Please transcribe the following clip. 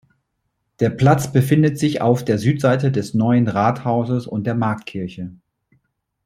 Der Platz befindet sich auf der Südseite des Neuen Rathauses und der Marktkirche.